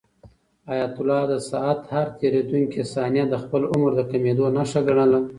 حیات الله د ساعت هر تېریدونکی ثانیه د خپل عمر د کمېدو نښه ګڼله.